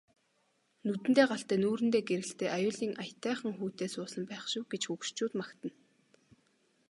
Нүдэндээ галтай нүүртээ гэрэлтэй аюулын аятайхан хүүтэй суусан байх шив гэж хөгшчүүд магтана.